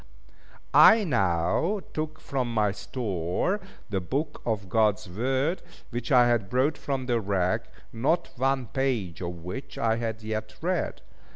I now took from my store the Book of God's Word, which I had brought from the wreck, not one page, of which I had yet read.